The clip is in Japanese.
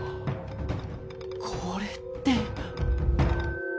これって！